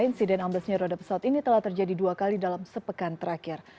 insiden amblesnya roda pesawat ini telah terjadi dua kali dalam sepekan terakhir